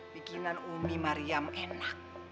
bikinan umi mariam enak